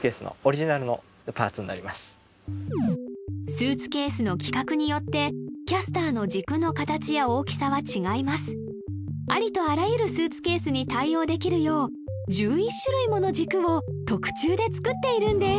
スーツケースの規格によってキャスターの軸の形や大きさは違いますありとあらゆるスーツケースに対応できるよう１１種類もの軸を特注で作っているんです